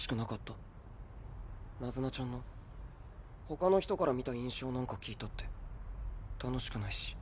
他の人から見た印象なんか聞いたって楽しくないし。